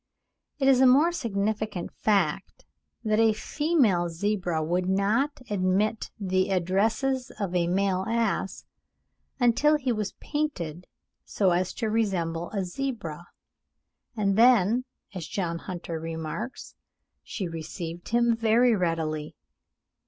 It is a more significant fact that a female zebra would not admit the addresses of a male ass until he was painted so as to resemble a zebra, and then, as John Hunter remarks, "she received him very readily.